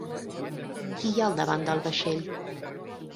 Qui hi ha al davant del vaixell?